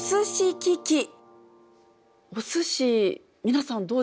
お寿司皆さんどうですか？